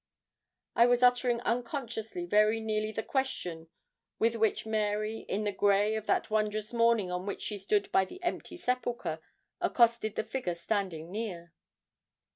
I was uttering unconsciously very nearly the question with which Mary, in the grey of that wondrous morning on which she stood by the empty sepulchre, accosted the figure standing near.